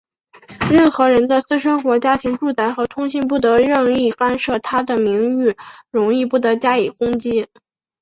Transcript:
任何人的私生活、家庭、住宅和通信不得任意干涉,他的荣誉和名誉不得加以攻击。